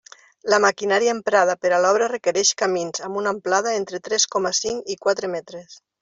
La maquinària emprada per a l'obra requereix camins amb una amplada entre tres coma cinc i quatre metres.